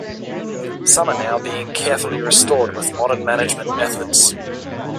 Some are now being carefully restored with modern management methods.